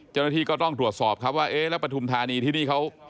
เจ้าหน้าที่ก็ต้องตรวจสอบครับว่าเอ๊ะแล้วปฐุมธานีที่นี่เขา